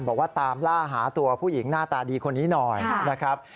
บอกว่าตามล่าหาตัวผู้หญิงหน้าตาดีคนนี้หน่อยนะครับ